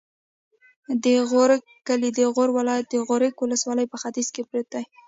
د غورک کلی د غور ولایت، غورک ولسوالي په ختیځ کې پروت دی.